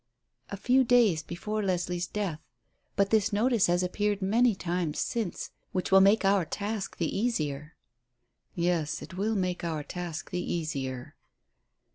"A few days before Leslie's death. But this notice has appeared many times since which will make our task the easier." "Yes, it will make our task the easier."